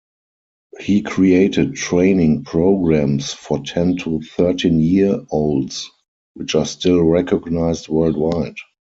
He created training programs for ten to thirteen-year-olds which are still recognized worldwide.